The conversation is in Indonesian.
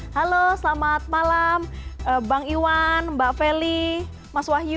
halo selamat malam bang iwan mbak feli mas wahyu